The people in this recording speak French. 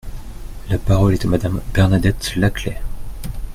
La parole est à Madame Bernadette Laclais.